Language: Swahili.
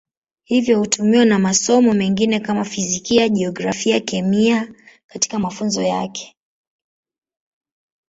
Hivyo hutumiwa na masomo mengine kama Fizikia, Jiografia, Kemia katika mafunzo yake.